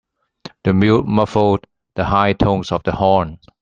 The mute muffled the high tones of the horn.